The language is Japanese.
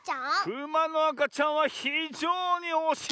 クマのあかちゃんはひじょうにおしいですね！